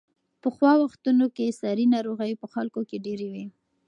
په پخوا وختونو کې ساري ناروغۍ په خلکو کې ډېرې وې.